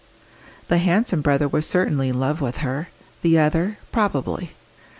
The handsome brother was certainly in love with her; the other, probably.